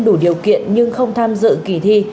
đủ điều kiện nhưng không tham dự kỳ thi